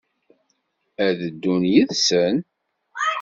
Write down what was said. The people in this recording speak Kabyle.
Ad d-ddun yid-sen?